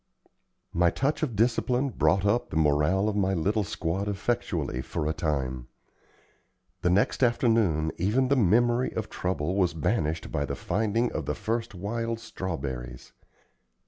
My touch of discipline brought up the morale of my little squad effectually for a time. The next afternoon even the memory of trouble was banished by the finding of the first wild strawberries.